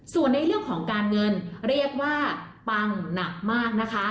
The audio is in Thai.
ส่วนในเรื่องของการเงินเรียกว่าปังหนักมากนะคะ